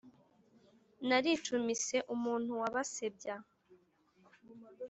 naricumise umuntu wa basebya